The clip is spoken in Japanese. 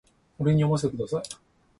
俺に読ませてください